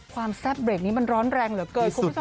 แซ่บเบรกนี้มันร้อนแรงเหลือเกินคุณผู้ชม